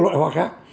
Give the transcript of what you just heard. có loại hoa khác